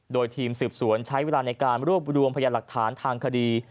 โดยทีมสืบสวนใช้เวลาในการรวบรวมพยานหลักฐานทางคดี